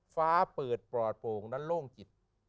ฟ้าเปิดปลอดโป่งและโล่งจิต